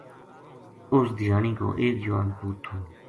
اس دھیانی کو ایک جوان پوت تھو